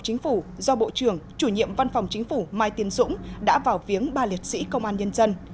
chính phủ do bộ trưởng chủ nhiệm văn phòng chính phủ mai tiên dũng đã vào viếng ba liệt sĩ công an nhân dân